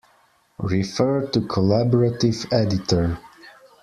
Refer to collaborative editor.